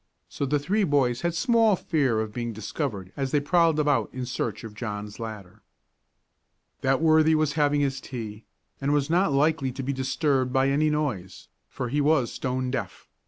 So the three boys had small fear of being discovered as they prowled about in search of John's ladder. That worthy was having his tea, and was not likely to be disturbed by any noise, for he was stone deaf.